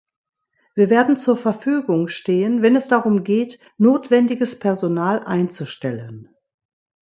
Wir werden zur Verfügung stehen, wenn es darum geht, notwendiges Personal einzustellen.